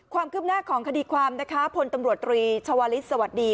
ความคืบหน้าของคดีความนะคะพลตำรวจตรีชาวลิศสวัสดี